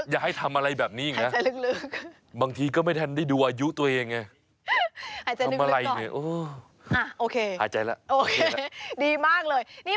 จริงค่ะอ้าวตุ้งแช่